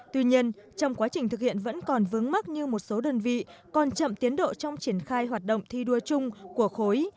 tuy nhiên trong quá trình thực hiện vẫn còn vướng mắc như một số đơn vị còn chậm tiến độ trong triển khai hoạt động thi đua chung của khối